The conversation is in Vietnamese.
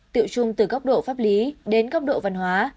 tự chung từ góc độ pháp lý đến góc độ văn hóa